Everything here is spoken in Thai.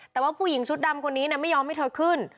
แต่ว่าผู้หญิงชุดดำคนนี้ไม่ยอมให้เธอขึ้น